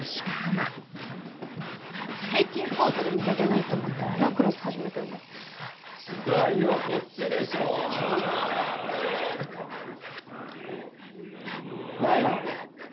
最近コートで見掛けないと思ったらラクロス始めたんだ時代はこっちでしょハハハないな。